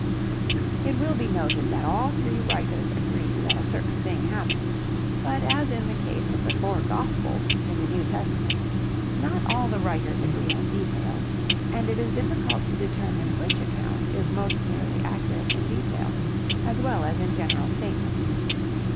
"] It will be noted that all three writers agree that a certain thing happened, but as in the case of the four Gospels in the New Testament, not all the writers agree on details and it is difficult to determine which account is most nearly accurate in detail as well as in general statement.